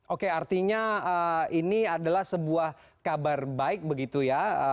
oke artinya ini adalah sebuah kabar baik begitu ya